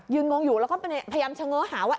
งงอยู่แล้วก็พยายามเฉง้อหาว่า